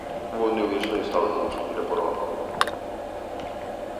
Вони ввійшли і стали мовчки біля порога.